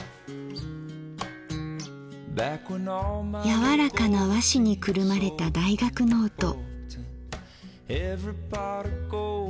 柔らかな和紙にくるまれた大学ノート。